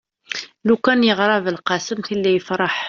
lukan yeɣra belqsem tili yefreḥ